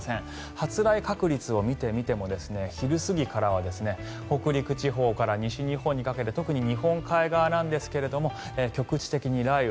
発雷確率を見てみても昼過ぎからは北陸地方から西日本にかけて特に日本海側なんですが局地的に雷雨。